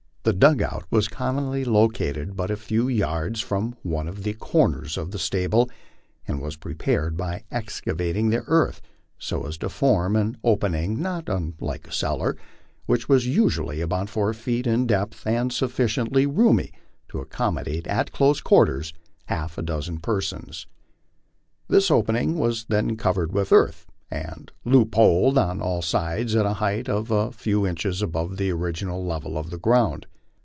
The "dug out " was commonly located but a few yards from one of the corners of the stable, and was prepared by excavating the earth so as to form an opening not unlike a cellar, which was usually about four feet in depth, and sufficiently roomy to accommodate at close quarters half a dozen persons. This opening MY LIFE ON THE PLAINS. 81 was then covered with earth and loopholed on all side& at a height of a few inches above the original level of the ground.